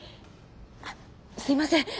あすいません。